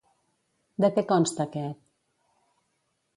De què consta aquest?